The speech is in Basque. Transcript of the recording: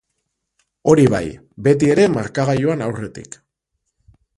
Hori bai, beti ere markagailuan aurretik.